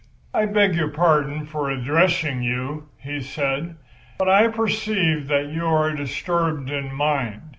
"I beg your pardon for addressing you," he said, "but I perceive that you are disturbed in mind.